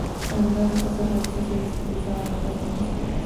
Algunas de estas organizaciones utilizaban otras normas en el pasado.